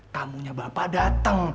kamunya bapak dateng